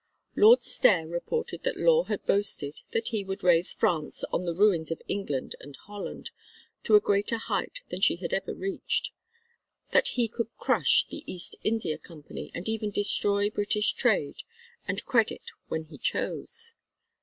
Lord Stair reported that Law had boasted that he would raise France on the ruins of England and Holland, to a greater height than she had ever reached; that he could crush the East India Company and even destroy British trade and credit when he chose.